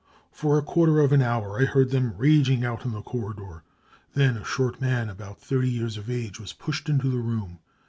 For a quarter of an hour J? heard them raging out in the corridor. Then a shor t man about thirty years of age was pushed into the t room.